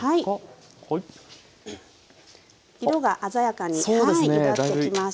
色が鮮やかにゆだってきました。